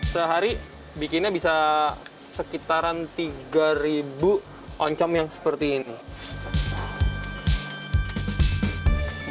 sehari bikinnya bisa sekitaran tiga ribu oncom yang seperti ini